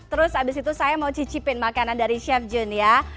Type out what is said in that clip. terus abis itu saya mau cicipin makanan dari chef jun ya